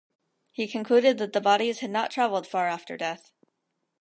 He concluded that the bodies had not travelled far after death.